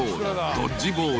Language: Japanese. ドッジボール］